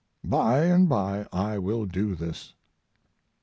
By & by I will do this.